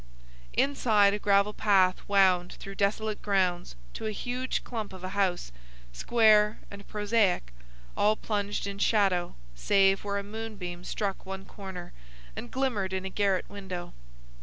Inside, a gravel path wound through desolate grounds to a huge clump of a house, square and prosaic, all plunged in shadow save where a moonbeam struck one corner and glimmered in a garret window.